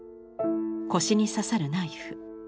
腰に刺さるナイフ。